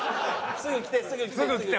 すぐ着て。